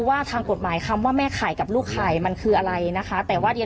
ว่าทางกฎหมายคำว่าแม่ไข่กับลูกไข่มันคืออะไรนะคะแต่ว่าเดี๋ยว